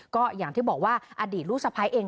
ก็อย่างที่บอกว่าอดีตรุษภัยเอง